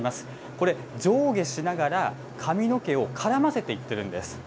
これ、上下しながら、髪の毛を絡ませていっているんです。